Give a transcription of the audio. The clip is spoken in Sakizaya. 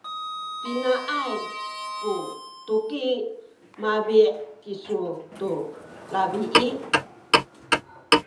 pinaay ku tuki mabi’ kisu tu labi?